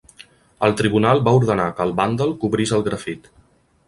El tribunal va ordenar que el vàndal cobrís el grafit.